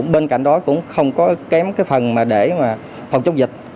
bên cạnh đó cũng không kém phần để phòng chống dịch